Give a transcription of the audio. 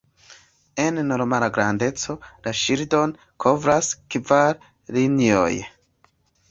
En normala grandeco, la ŝildon kovras kvar linioj.